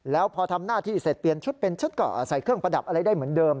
แล้วพอทำหน้าที่เสร็จเปลี่ยนชุดเป็นชุดก็ใส่เครื่องประดับอะไรได้เหมือนเดิม